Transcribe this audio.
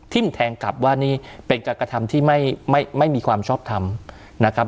แทงกลับว่านี่เป็นการกระทำที่ไม่มีความชอบทำนะครับ